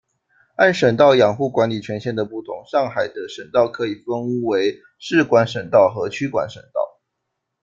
按省道养护管理权限的不同，上海的省道可以分为市管省道和区管省道。